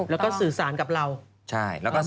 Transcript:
แล้วก็สื่อสารกับเรา